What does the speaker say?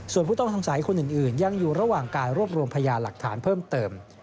ส่วนผู้ต้องสงสัยคนอื่นยังอยู่ระหว่างการรวบรวมพยานหลักฐานเพิ่มเติม